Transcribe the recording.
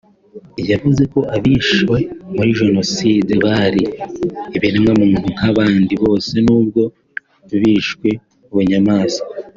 yavuze ko abishwe muri Jenoside bari ibiremwamuntu nk’abandi bose nubwo bishwe bunyamaswa